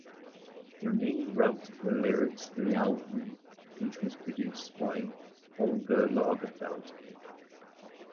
Remee wrote the lyrics for the album, which was produced by Holger Lagerfeldt.